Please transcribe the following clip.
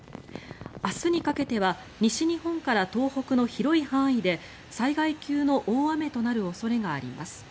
明日にかけては西日本から東北の広い範囲で災害級の大雨となる恐れがあります。